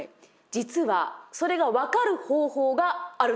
実はそれが分かる方法があるんです。